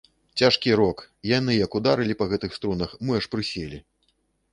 Цяжкі рок, яны як ударылі па гэтых струнах, мы аж прыселі.